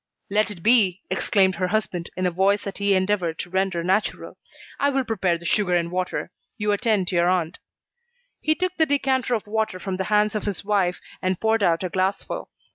"Let it be," exclaimed her husband, in a voice that he endeavoured to render natural, "I will prepare the sugar and water. You attend to your aunt." He took the decanter of water from the hands of his wife and poured out a glassful.